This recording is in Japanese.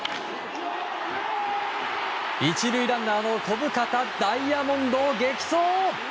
１塁ランナーの小深田ダイヤモンドを激走！